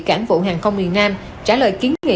cảng vụ hàng không miền nam trả lời kiến nghị